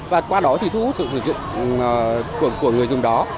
và qua đó thì thu hút sự sử dụng của người dùng đó